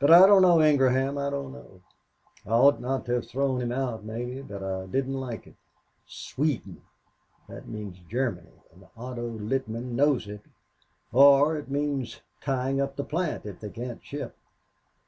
But I don't know, Ingraham I don't know. I ought not to have thrown him out, maybe, but I didn't like it. Sweden! That means Germany, and Otto Littman knows it, or it means tying up the plant if they can't ship.